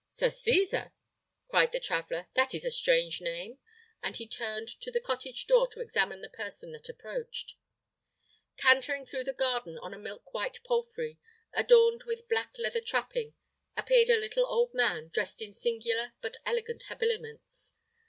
"Sir Cesar!" cried the traveller; "that is a strange name!" and he turned to the cottage door to examine the person that approached. Cantering through the garden on a milk white palfrey, adorned with black leather trapping, appeared a little old man, dressed in singular but elegant habiliments.